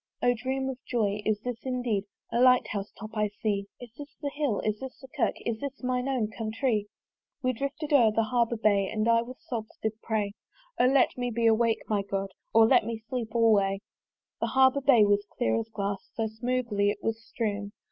O dream of joy! is this indeed The light house top I see? Is this the Hill? Is this the Kirk? Is this mine own countrée? We drifted o'er the Harbour bar, And I with sobs did pray "O let me be awake, my God! "Or let me sleep alway!" The harbour bay was clear as glass, So smoothly it was strewn!